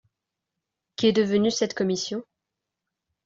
Qu’est devenue cette commission ?